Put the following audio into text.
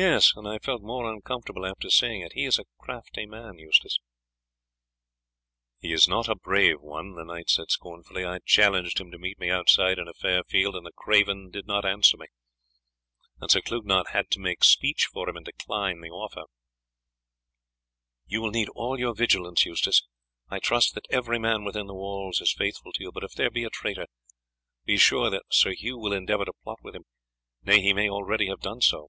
"Yes, and I felt more uncomfortable after seeing it. He is a crafty man, Eustace." "He is not a brave one," the knight said scornfully. "I challenged him to meet me outside in a fair field, and the craven did not answer me, and Sir Clugnet had to make speech for him and decline the offer." "You will need all your vigilance, Eustace. I trust that every man within the walls is faithful to us; but if there be a traitor, be sure that Sir Hugh will endeavour to plot with him, nay, he may already have done so."